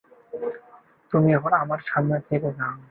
এখন তুমি আমার সামনে থেকে যাও।